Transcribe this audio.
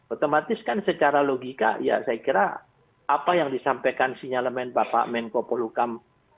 otomatis kan secara logika ya saya kira apa yang disampaikan sinyalemen bapak menko polukam